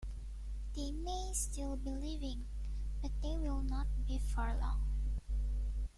They may still be living, but they will not be for long.